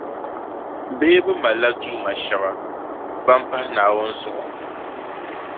Bee bɛ malila duuma shεba ban pahi Naawuni zuɣu?